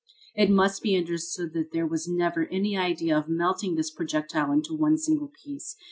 It must be understood that there was never any idea of melting this projectile in one single piece.